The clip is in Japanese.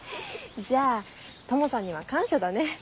じゃあトモさんには感謝だね。